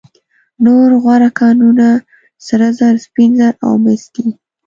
نور غوره کانونه سره زر، سپین زر او مس دي.